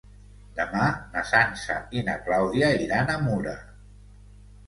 Demà na Sança i na Clàudia iran a Mura.